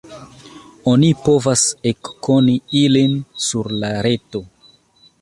Oni povas ekkoni ilin sur la reto.